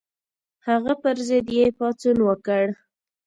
هغه پر ضد یې پاڅون وکړ.